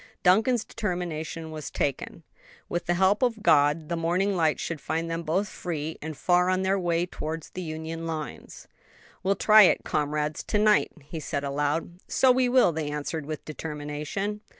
Duncan's determination was taken: with the help of God the morning light should find them both free and far on their way towards the Union lines. "We'll try it, comrades, to night," he said aloud. "So we will," they answered with determination.